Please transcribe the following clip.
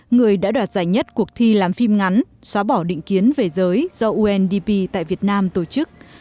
người đã đoạt giải nhất cuộc thi làm phim ngắn xóa bỏ định kiến về giới do undp tại việt nam tổ chức